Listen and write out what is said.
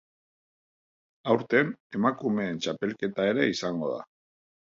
Aurten, emakumeen txapelketa ere izango da.